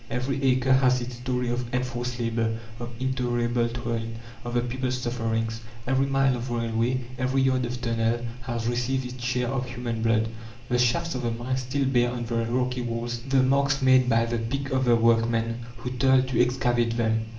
Every acre has its story of enforced labour, of intolerable toil, of the people's sufferings. Every mile of railway, every yard of tunnel, has received its share of human blood. The shafts of the mine still bear on their rocky walls the marks made by the pick of the workman who toiled to excavate them.